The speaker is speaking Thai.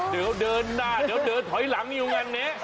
เดี๋ยวเดินหน้าเดี๋ยวเดินถอยหลังอยู่งานนี้